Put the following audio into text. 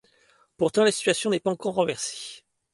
Pourtant, la situation n’est pas encore renversée.